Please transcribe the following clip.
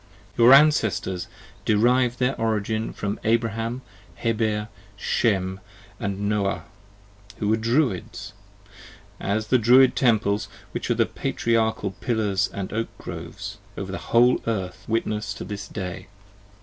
ib Your Ancestors derived their origin from Abraham, Heber, Shem, and C Noah, who were Druids: as the Druid Temples (which are the Patriarchal ^"Pillars & Oak Groves) over the whole Earth witness to this day.